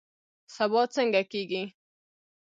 سبا څنګه کیږي؟